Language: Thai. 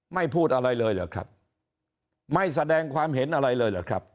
พูดอะไรเลยเหรอครับไม่แสดงความเห็นอะไรเลยเหรอครับ